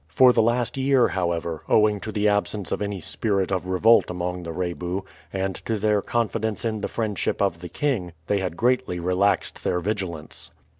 For the last year, however, owing to the absence of any spirit of revolt among the Rebu, and to their confidence in the friendship of the king, they had greatly relaxed their vigilance.